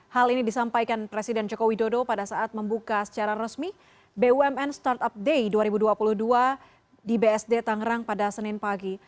hal ini disampaikan presiden jokowi dodo pada saat membuka secara resmi bumn startup day dua ribu dua puluh dua di bsd tangerang pada senin pagi